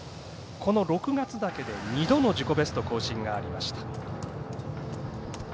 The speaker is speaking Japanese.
この６月だけで２度の自己ベスト更新がありました。